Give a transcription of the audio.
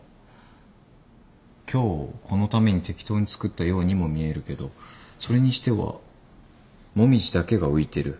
今日このために適当に作ったようにも見えるけどそれにしては「モミジ」だけが浮いてる。